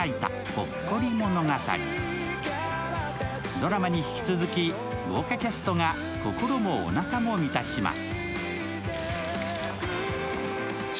ドラマに引き続き、豪華キャストが心もおなかも満たします。